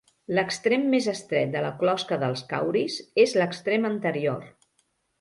L'extrem més estret de la closca dels cauris és l'extrem anterior.